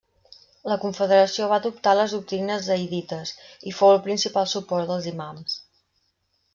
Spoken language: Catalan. La confederació va adoptar les doctrines zaidites i fou el principal suport dels imams.